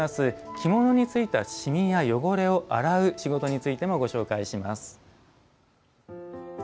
着物についた染みや汚れを洗う仕事についてもご紹介します。